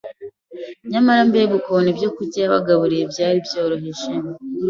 nyamara mbega ukuntu ibyokurya yabagaburiye byari byoroheje: